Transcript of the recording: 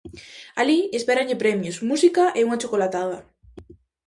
Alí espéranlle premios, música e unha chocolatada.